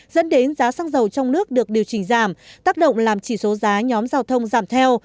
dẫn đến giá xăng dầu trong nước được điều chỉnh giảm tác động làm chỉ số giá nhóm giao thông giảm theo